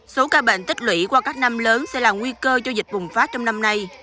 số ca bệnh tích lũy qua các năm lớn sẽ là nguy cơ cho dịch bùng phát trong năm nay